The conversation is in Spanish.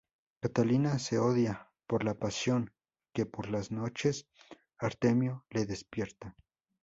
Catalina se odia por la pasión que por las noches Artemio le despierta.